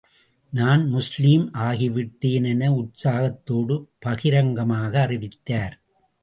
நான் முஸ்லிம் ஆகிவிட்டேன் என உற்சாகத்தோடு பகிரங்கமாக அறிவித்தார்.